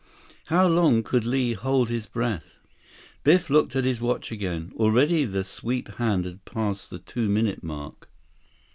How long could Li hold his breath? Biff looked at his watch again. Already the sweep hand had passed the two minute mark.